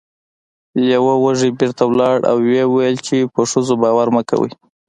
لیوه وږی بیرته لاړ او و یې ویل چې په ښځو باور مه کوئ.